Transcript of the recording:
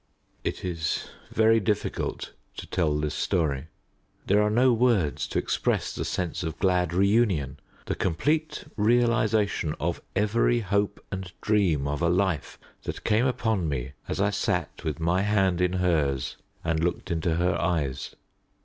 It is very difficult to tell this story. There are no words to express the sense of glad reunion, the complete realization of every hope and dream of a life, that came upon me as I sat with my hand in hers and looked into her eyes.